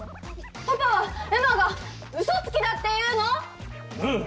パパは、エマがうそつきだっていうの？